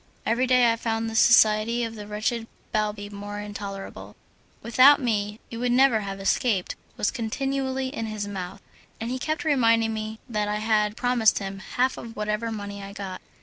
Every day I found the society of the wretched Balbi more intolerable. "Without me you would never have escaped" was continually in his mouth, and he kept reminding me that I had promised him half of whatever money I got.